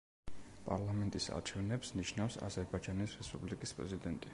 პარლამენტის არჩევნებს ნიშნავს აზერბაიჯანის რესპუბლიკის პრეზიდენტი.